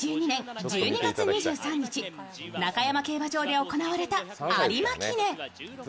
２０１２年１２月２３日中山競馬場で行われた有馬記念。